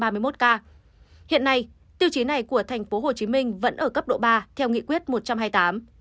hiện nay tiêu chí này của tp hcm vẫn ở cấp độ ba theo nghị quyết một trăm hai mươi tám